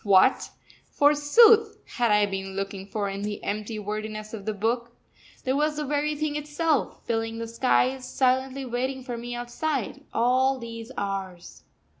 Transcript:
What, forsooth, had I been looking for in the empty wordiness of the book? There was the very thing itself, filling the skies, silently waiting for me outside, all these hours!